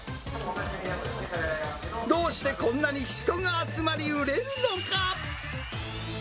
どうしてこんなに人が集まり、売れるのか。